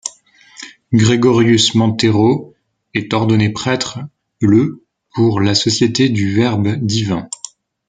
Gregorius Manteiro est ordonné prêtre le pour la Société du Verbe-Divin.